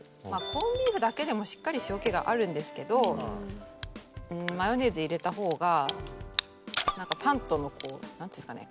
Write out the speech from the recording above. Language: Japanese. コンビーフだけでもしっかり塩気があるんですけどマヨネーズ入れたほうがパンとの何ていうんですかね